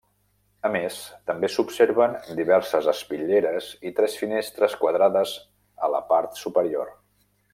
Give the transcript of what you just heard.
A més, també s'observen diverses espitlleres i tres finestres quadrades a la part superior.